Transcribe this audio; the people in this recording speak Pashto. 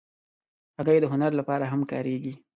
هګۍ د هنر لپاره هم کارېږي.